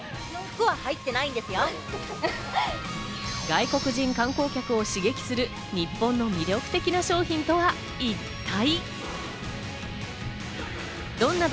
外国人観光客を刺激する日本の魅力的な商品とは一体？